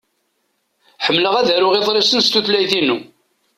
Ḥemmleɣ ad aruɣ iḍrisen s tutlayt-inu.